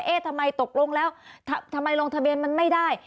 ทำไมตกลงแล้วทำไมลงทะเบียนมันไม่ได้